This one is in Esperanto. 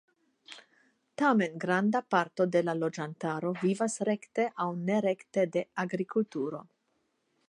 Tamen granda parto de la loĝantaro vivas rekte aŭ nerekte de agrikulturo.